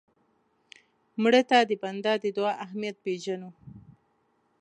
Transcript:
مړه ته د بنده د دعا اهمیت پېژنو